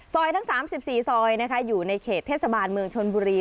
ทั้ง๓๔ซอยอยู่ในเขตเทศบาลเมืองชนบุรี